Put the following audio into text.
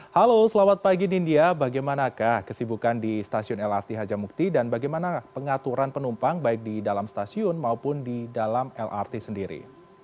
halo selamat pagi nindya bagaimanakah kesibukan di stasiun lrt harjamukti dan bagaimana pengaturan penumpang baik di dalam stasiun maupun di dalam lrt sendiri